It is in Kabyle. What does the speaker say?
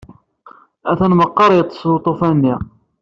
Atan meqqar yeṭṭes uṭufan-nni.